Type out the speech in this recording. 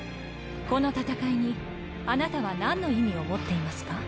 この戦いにあなたは何の意味を持っていますか？